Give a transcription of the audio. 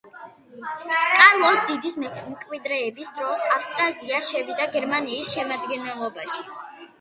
კარლოს დიდის მემკვიდრეების დროს ავსტრაზია შევიდა გერმანიის შემადგენლობაში.